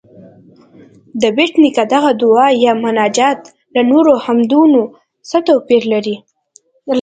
د بېټ نیکه دغه دعا یا مناجات له نورو حمدونو څه توپیر لري؟